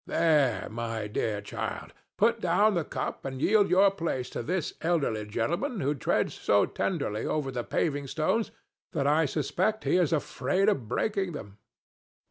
There, my dear child! put down the cup and yield your place to this elderly gentleman who treads so tenderly over the paving stones that I suspect he is afraid of breaking them.